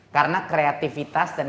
karena kreativitas dan